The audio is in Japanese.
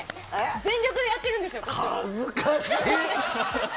全力でやってるんですよ恥ずかし！